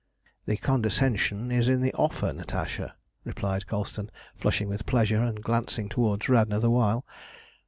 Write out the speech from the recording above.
"The condescension is in the offer, Natasha," replied Colston, flushing with pleasure and glancing towards Radna the while.